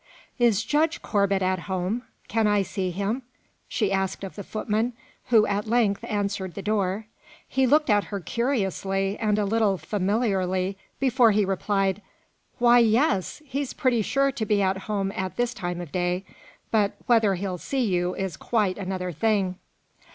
"Is Judge Corbet at home? Can I see him?" she asked of the footman, who at length answered the door. He looked at her curiously, and a little familiarly, before he replied, "Why, yes! He's pretty sure to be at home at this time of day; but whether he'll see you is quite another thing."